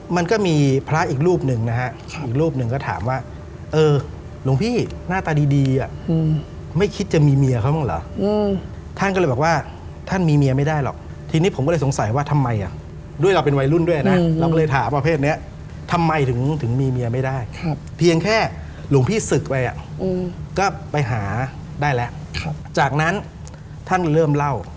มันก็มีพระอีกรูปหนึ่งนะฮะอีกรูปหนึ่งก็ถามว่าเออหลวงพี่หน้าตาดีดีอ่ะอืมไม่คิดจะมีเมียเขาหรออืมท่านก็เลยบอกว่าท่านมีเมียไม่ได้หรอกทีนี้ผมก็เลยสงสัยว่าทำไมอ่ะด้วยเราเป็นวัยรุ่นด้วยน่ะอืมเราก็เลยถามว่าเพศเนี้ยทำไมถึงถึงมีเมียไม่ได้ครับเพียงแค่หลวงพี่ศึกไปอ่ะอืม